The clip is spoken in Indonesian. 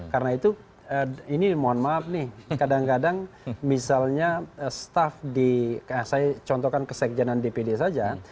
karena itu ini mohon maaf nih kadang kadang misalnya staff di saya contohkan kesejenan dpd saja